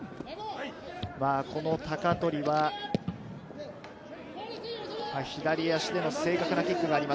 この鷹取は左足での正確なキックがあります。